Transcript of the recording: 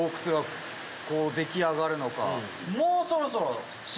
もうそろそろ。